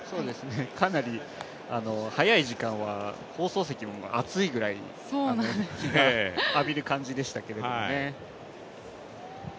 かなり早い時間は放送席も暑いぐらい日を浴びる感じでしたけどね。